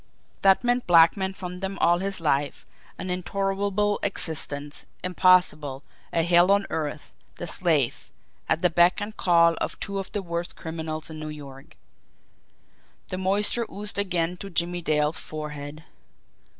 That meant blackmail from them all his life, an intolerable existence, impossible, a hell on earth the slave, at the beck and call of two of the worst criminals in New York! The moisture oozed again to Jimmie Dale's forehead.